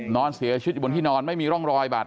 นอนเสียชีวิตอยู่บนที่นอนไม่มีร่องรอยบาด